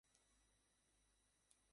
নিজাম সাহেব ইতস্তত করে বললেন, না।